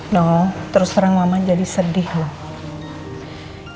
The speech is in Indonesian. no terus terang mama jadi sedih loh